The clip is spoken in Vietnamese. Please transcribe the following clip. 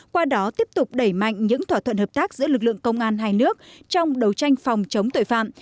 qua đó tiếp tục đẩy mạnh những thỏa thuận hợp tác giữa lực lượng công an hai nước trong đấu tranh phòng chống tội phạm